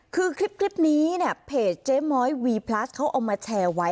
คือคลิปนี้เนี่ยเพจเจ๊ม้อยวีพลัสเขาเอามาแชร์ไว้